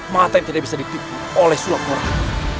mata yang tidak bisa ditipu oleh sulap quran